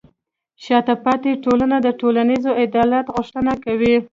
شاته پاتې ټولنه د ټولنیز عدالت غوښتنه کوي.